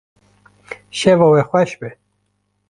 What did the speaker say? Şeva we xweş be.